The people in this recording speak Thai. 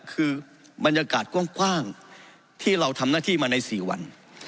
คือบรรยากาศกว้างที่เราทำหน้าที่มาใน๔วัน